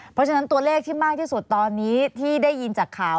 เพราะฉะนั้นตัวเลขที่มากที่สุดตอนนี้ที่ได้ยินจากข่าว